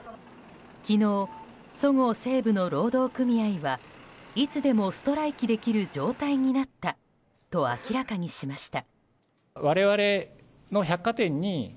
昨日、そごう・西武の労働組合はいつでもストライキできる状態になったと明らかにしました。